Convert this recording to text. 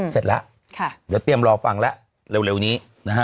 เสร็จแล้วเดี๋ยวเตรียมรอฟังแล้วเร็วนี้นะฮะ